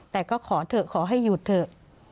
แต่ก็ขอเถอะขอให้หยุดเถอะ